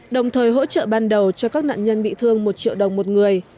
đồng thời hỗ trợ ban đầu cho các nạn nhân bị thương một triệu đồng một người